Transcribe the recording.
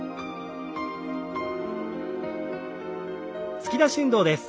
突き出し運動です。